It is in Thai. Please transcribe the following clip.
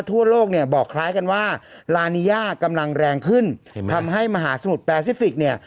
ทั่วโลกเนี่ยบอกคล้ายกันว่าลานีย่ากำลังแรงขึ้นทำให้มหาสมุทรแปซิฟิกส์เนี่ย